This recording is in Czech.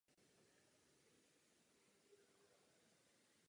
V první světové válce byl pro svou oční vadu osvobozen z vojenské služby.